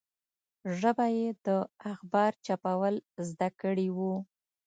ژبه یې د اخبار چاپول زده کړي وو.